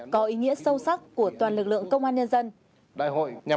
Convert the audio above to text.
có ý nghĩa sâu sắc của toàn lực lượng công an nhân dân